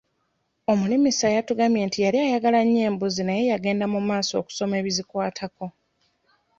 Omulimisa yatugambye nti yali ayagala nnyo embuzi naye yagenda mmaaso okusoma ebizikwatako.